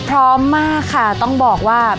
พร้อมมากค่ะต้องบอกว่า